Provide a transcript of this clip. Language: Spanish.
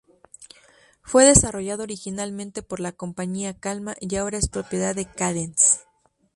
Fue desarrollado originariamente por la compañía Calma, y ahora es propiedad de Cadence.